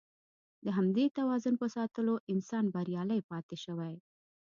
د همدې توازن په ساتلو انسان بریالی پاتې شوی.